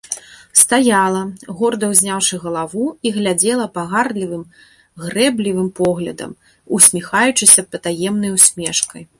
Стаяла, горда ўзняўшы галаву, і глядзела пагардлівым, грэблівым поглядам, усміхаючыся патаемнай усмешкай.